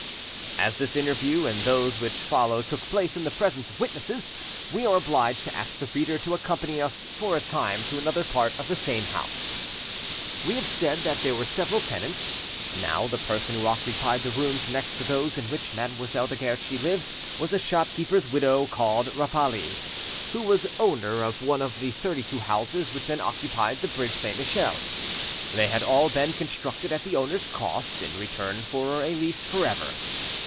As this interview and those which follow took place in the presence of witnesses, we are obliged to ask the reader to accompany us for a time to another part of the same house. We have said there were several tenants: now the person who occupied the rooms next to those in which Mademoiselle de Guerchi lived was a shopkeeper's widow called Rapally, who was owner of one of the thirty two houses which then occupied the bridge Saint Michel. They had all been constructed at the owner's cost, in return for a lease for ever.